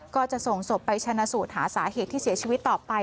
ก็จะส่งศพไปชนะสูตรหาสาเหตุที่เสียชีวิตต่อไป